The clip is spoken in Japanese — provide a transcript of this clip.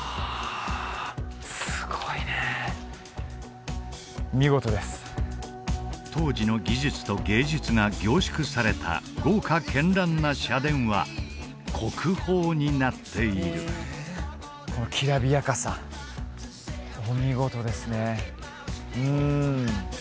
すごいね見事です当時の技術と芸術が凝縮された豪華絢爛な社殿は国宝になっているこのきらびやかさお見事ですね